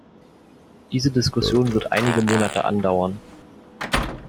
Diese Diskussion wird einige Monate andauern.